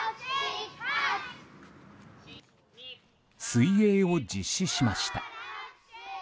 水泳を実施しました。